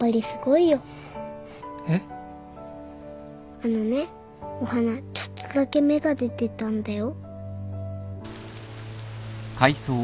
あのねお花ちょっとだけ芽が出てたんだよ。